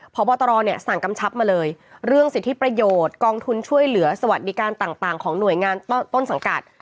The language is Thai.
พบตรเนี่ยสั่งกำชับมาเลยเรื่องสิทธิประโยชน์กองทุนช่วยเหลือสวัสดิการต่างของหน่วยงานต้นสังกัด